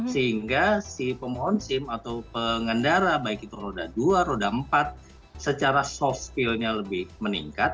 sehingga si pemohon sim atau pengendara baik itu roda dua roda empat secara soft skillnya lebih meningkat